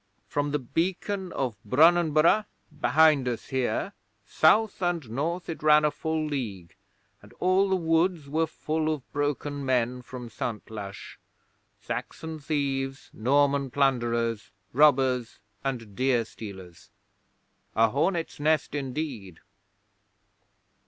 From the Beacon of Brunanburgh behind us here, south and north it ran a full league and all the woods were full of broken men from Santlache, Saxon thieves, Norman plunderers, robbers, and deer stealers. A hornets' nest indeed!